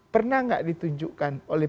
pernah nggak ditunjukkan oleh